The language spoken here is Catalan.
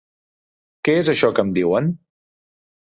Què és això que em diuen?